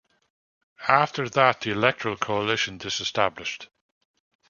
After that the electoral coalition disestablished.